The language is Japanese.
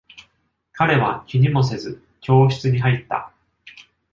彼は気にもせず、教室に入った。